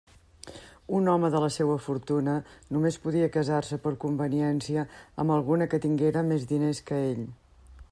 Un home de la seua fortuna només podia casar-se per conveniència amb alguna que tinguera més diners que ell.